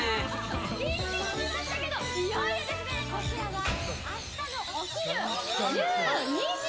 一気に来ましたけど、いよいよですね、こちらはあしたのお昼１２時